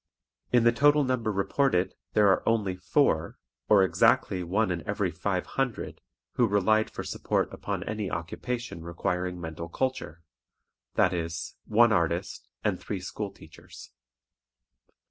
In the total number reported there are only four, or exactly one in every five hundred, who relied for support upon any occupation requiring mental culture, that is, one artist and three school teachers.